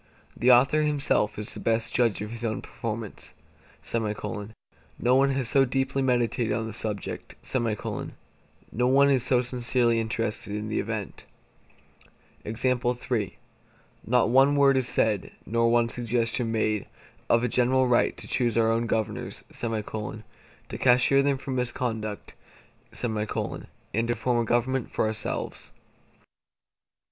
The author himself is the best judge of his own performance; no one has so deeply meditated on the subject; no one is so sincerely interested in the event. Not one word is said, nor one suggestion made, of a general right to choose our own governors; to cashier them for misconduct; and to form a government for ourselves.